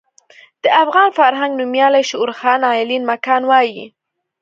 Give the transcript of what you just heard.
د افغان فرهنګ نومیالی شعور خان علين مکان وايي.